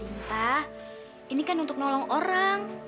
entah ini kan untuk nolong orang